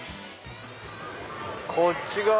こっち側は。